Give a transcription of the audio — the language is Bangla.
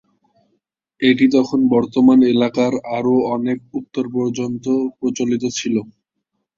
এটি তখন বর্তমান এলাকার আরও অনেক উত্তর পর্যন্ত প্রচলিত ছিল।